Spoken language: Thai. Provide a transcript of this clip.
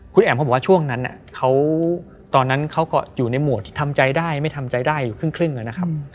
คุณแอ๋มเขาบอกว่าช่วงนั้นเขาตอนนั้นเขาก็อยู่ในหมวดที่ทำใจได้ไม่ทำใจได้อยู่ครึ่งนะครับ